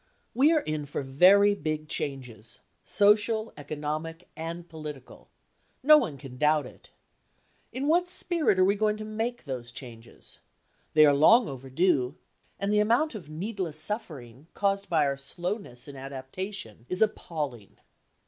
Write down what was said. We are in for very big changes—social, economic and political. No one can doubt it. In what spirit are we going to make those changes? They are long overdue, and the amount of needless suffering caused by our slowness in adaptation is appalling.